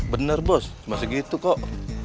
bener bos cuma segitu kok